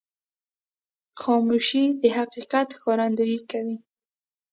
خاموشي، د حقیقت ښکارندویي کوي.